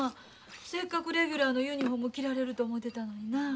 せっかくレギュラーのユニフォーム着られると思うてたのになあ。